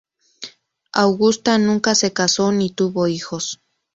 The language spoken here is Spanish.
Augusta nunca se casó ni tuvo hijos.